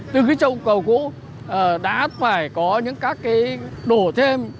từ cái chậu cầu cũ đã phải có những các cái đổ thêm